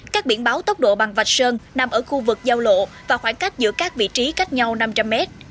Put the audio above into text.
các biển báo tốc độ bằng vạch sơn nằm ở khu vực giao lộ và khoảng cách giữa các vị trí cách nhau năm trăm linh mét